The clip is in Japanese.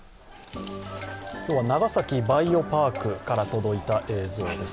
今日は長崎バイオパークから届いた映像です。